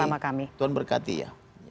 terima kasih tuhan berkati ya